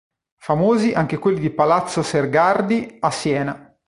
Famosi anche quelli di Palazzo Sergardi a Siena.